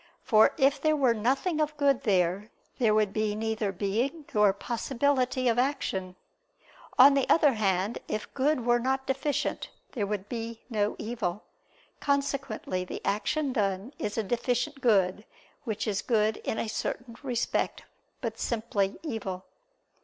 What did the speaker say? For if there were nothing of good there, there would be neither being nor possibility of action. On the other hand if good were not deficient, there would be no evil. Consequently the action done is a deficient good, which is good in a certain respect, but simply evil.